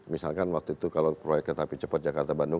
misalkan waktu itu kalau proyek kereta api cepat jakarta bandung